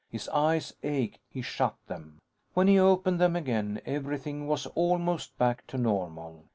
His eyes ached. He shut them. When he opened them again, everything was almost back to normal.